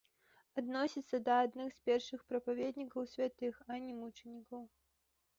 Адносіцца да адных з першых прапаведнікаў святых, а не мучанікаў.